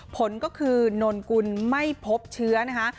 ผลก็คือนนกุลไม่พบเชื้อนะคะ